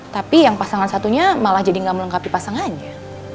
tapi yang pasangan satunya malah jadi nggak melengkapi pasangannya